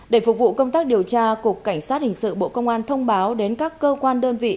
để phục vụ công tác điều tra cục cảnh sát hình sự bộ công an thông báo đến các cơ quan đơn vị